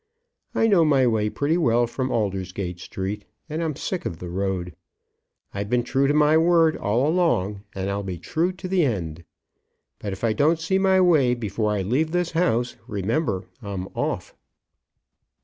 I know my way pretty well from Aldersgate Street, and I'm sick of the road. I've been true to my word all along, and I'll be true to the end. But if I don't see my way before I leave this house, remember I'm off."